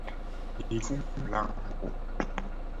Nilifunga mlango.